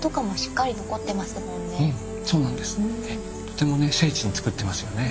とてもね精緻に造ってますよね。